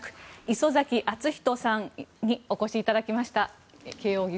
礒崎敦仁さんにお越しいただきました。